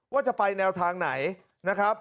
ว่าจะไปแนวทางไหน